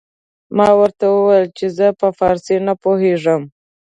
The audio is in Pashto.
ما ورته وويل چې زه په فارسي نه پوهېږم.